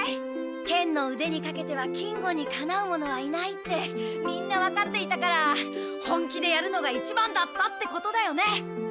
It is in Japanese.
剣の腕にかけては金吾にかなう者はいないってみんなわかっていたから本気でやるのが一番だったってことだよね。